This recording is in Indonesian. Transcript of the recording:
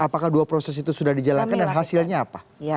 apakah dua proses itu sudah dijalankan dan hasilnya apa